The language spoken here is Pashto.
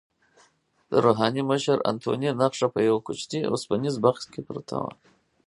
د روحاني مشر انتوني نخښه په یوه کوچني اوسپنیز بکس کې پرته وه.